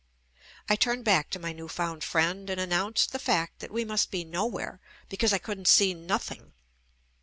I turned back to my new found friend and announced the fact that we must be "nowhere" because I couldn't see "nothing."